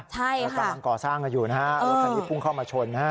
ใช่ค่ะแล้วกำลังก่อสร้างกันอยู่นะฮะแล้วทีนี้พุ่งเข้ามาชน